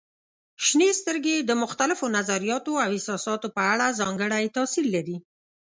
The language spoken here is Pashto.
شنې سترګې د مختلفو نظریاتو او احساساتو په اړه ځانګړی تاثير لري.